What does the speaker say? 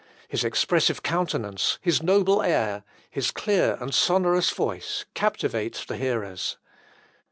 His expressive countenance, his noble air, his clear and sonorous voice, captivate the hearers.